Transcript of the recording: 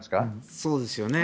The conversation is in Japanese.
そうですよね。